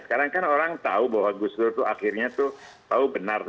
karena orang tahu bahwa gus dur itu akhirnya tahu benar